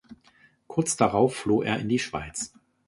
Kurz darauf floh er in die Schweiz.